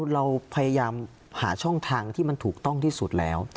เราพยายามหาช่องทางที่มันถูกต้องที่สุดแล้ว